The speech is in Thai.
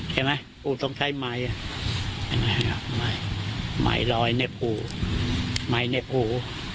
เห็นไหมปูต้องใช้ไม้ไม้รอยไม้เน็ตปู